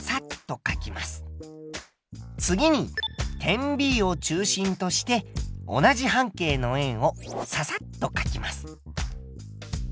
次に点Ｂを中心として同じ半径の円をササッとかきます。